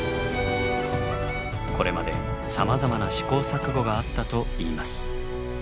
これまでさまざまな試行錯誤があったといいます。